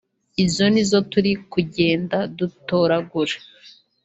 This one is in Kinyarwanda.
izo nizo turi kugenda dutoragura